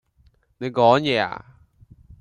你講野呀